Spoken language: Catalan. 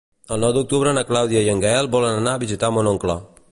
El nou d'octubre na Clàudia i en Gaël volen anar a visitar mon oncle.